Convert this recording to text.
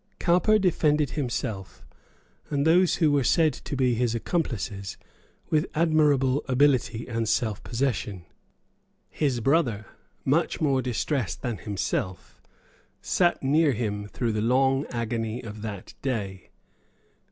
Cowper defended himself and those who were said to be his accomplices with admirable ability and self possession. His brother, much more distressed than himself, sate near him through the long agony of that day.